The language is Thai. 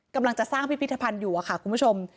กำลังจะสร้างพิพิธภัณฑ์อยู่ค่ะคุณผู้ชม